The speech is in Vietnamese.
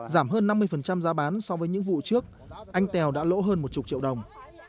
giảm hơn năm mươi giá bán so với những vụ trước anh tèo đã lỗ hơn một chục triệu đồng